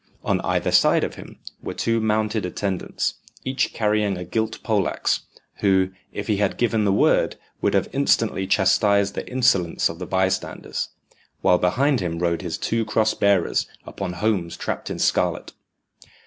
On either side of him were two mounted attend ants, each caring a gilt poleaxe, who, if he had given the word, would have instantly chastised the insolence of the bystanders, while behind him rode his two cross bearers upon homes trapped in scarlet.